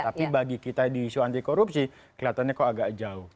tapi bagi kita di isu anti korupsi kelihatannya kok agak jauh